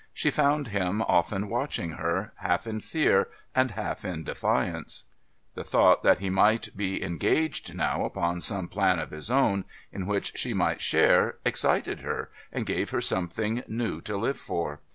She found him often watching her, half in fear and half in defiance. The thought that he might be engaged now upon some plan of his own in which she might share excited her and gave her something new to live for.